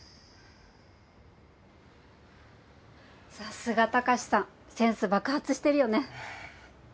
さすがタカシさんセンス爆発してるよね